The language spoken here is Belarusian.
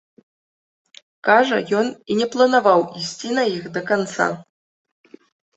Кажа, ён і не планаваў ісці на іх да канца.